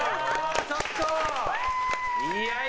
ちょっと。